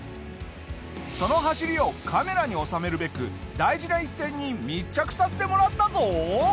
その走りをカメラに収めるべく大事な一戦に密着させてもらったぞ！